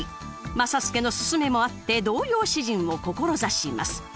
正祐の勧めもあって童謡詩人を志します。